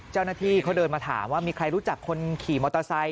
เจ้าหน้าที่เขาเดินมาถามว่ามีใครรู้จักคนขี่มอเตอร์ไซค